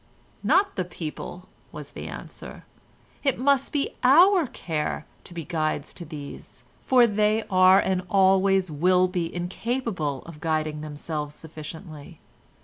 "Not the people," was the answer: "it must be our care to be guides to these, for they are and always will be incapable of guiding themselves sufficiently.